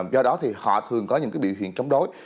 do đó thì họ thường có những biểu hiện chống đối